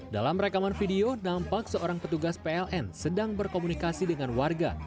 dalam rekaman video dampak seorang petugas pln sedang berkomunikasi dengan warga